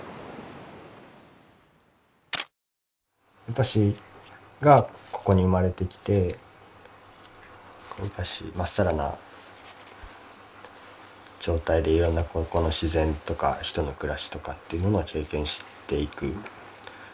ウパシがここに生まれてきてこのウパシ真っさらな状態でいろんなここの自然とか人の暮らしとかっていうものを経験していく。